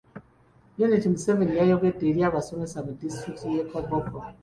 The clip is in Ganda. Janet Museveni yayogedde eri abasomesa mu disitulikiti y'e Koboko.